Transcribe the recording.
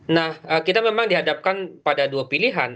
nah kita memang dihadapkan pada dua pilihan